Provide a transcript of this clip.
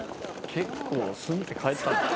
結構スンって帰った。